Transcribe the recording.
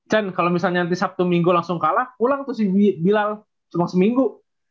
jan kalau misalnya nanti sabtu minggu langsung kalah pulang tuh si bilal cuma seminggu